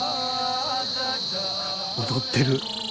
踊ってる。